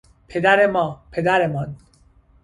پدر ما، پدرمان